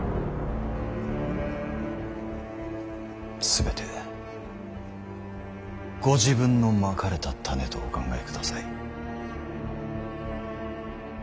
全てご自分のまかれた種とお考えください。